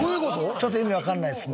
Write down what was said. ちょっと意味わかんないですね。